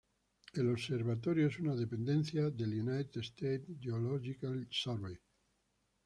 El observatorio es una dependencia del United States Geological Survey.